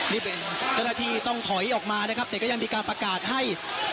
นี่เป็นเจ้าหน้าที่ต้องถอยออกมานะครับแต่ก็ยังมีการประกาศให้